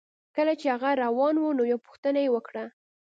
کله چې هغه روان و نو یوه پوښتنه یې وکړه